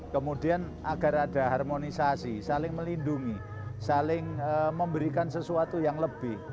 kemudian agar ada harmonisasi saling melindungi saling memberikan sesuatu yang lebih